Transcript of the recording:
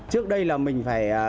trước đây là mình phải